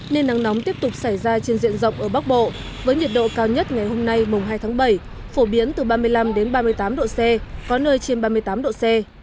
nên nắng nóng tiếp tục xảy ra trên diện rộng ở bắc bộ với nhiệt độ cao nhất ngày hôm nay mùng hai tháng bảy phổ biến từ ba mươi năm đến ba mươi tám độ c có nơi trên ba mươi tám độ c